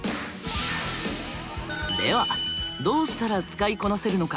ではどうしたら使いこなせるのか？